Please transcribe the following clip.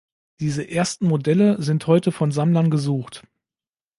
Diese ersten Modelle sind heute von Sammlern gesucht.